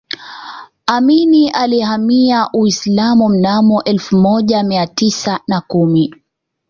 amini alihamia Uislamu mnamo elfu moja mia tisa na kumi